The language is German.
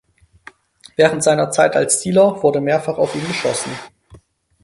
Während seiner Zeit als Dealer wurde mehrfach auf ihn geschossen.